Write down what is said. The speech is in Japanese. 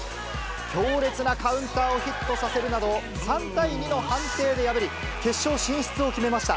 強烈なカウンターをヒットさせるなど、３対２の判定で破り、決勝進出を決めました。